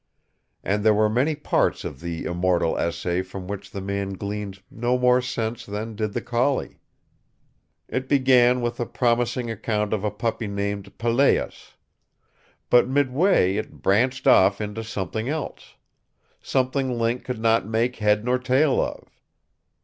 And there were many parts of the immortal essay from which the man gleaned no more sense than did the collie. It began with a promising account of a puppy named Pelleas. But midway it branched off into something else. Something Link could not make head nor tail of.